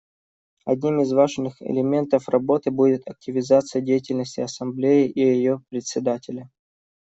Одним из важных элементов работы будет активизация деятельности Ассамблеи и ее Председателя.